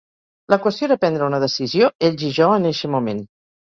La qüestió era prendre una decisió, ells i jo en eixe moment.